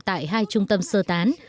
tại hai trung tâm sơ tán